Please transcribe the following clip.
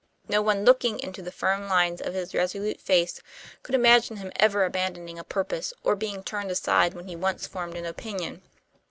No one looking into the firm lines of his resolute face could imagine him ever abandoning a purpose or being turned aside when he once formed an opinion.